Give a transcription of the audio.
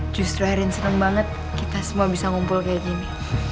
justru erin seneng banget kita semua bisa ngumpul kayak gini